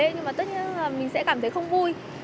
nhưng mà tất nhiên mình sẽ cảm thấy không vui